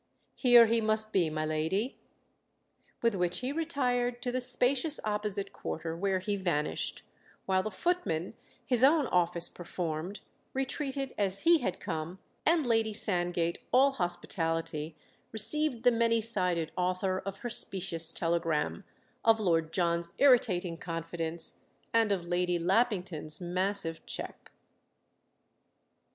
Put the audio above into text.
"Here he must be, my lady." With which he retired to the spacious opposite quarter, where he vanished, while the footman, his own office performed, retreated as he had come, and Lady Sandgate, all hospitality, received the many sided author of her specious telegram, of Lord John's irritating confidence and of Lady Lappington's massive cheque.